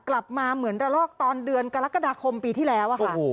กลับมาเหมือนระลอกตอนเดือนกรกฎาคมปีที่แล้วอะค่ะ